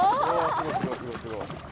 すごいすごいすごいすごい。